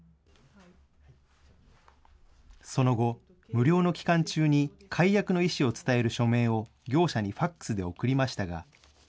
その後、無料の期間中に解約の意思を伝える書面を業者にＦＡＸで送りましたが。